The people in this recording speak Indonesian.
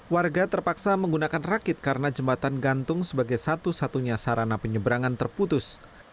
warga terpaksa menggunakan rakit karena jembatan gantung sebagai satu satunya sarana penyeberangan terputus